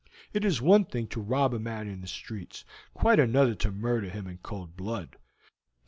It is one thing to rob a man in the streets, quite another to murder him in cold blood.